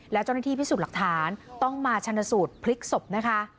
และเจ้าหน้าที่พิสูจน์หลักฐานต้องมาชนสูตรพลิกศพนะคะ